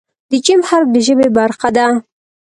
د "ج" حرف د ژبې برخه ده.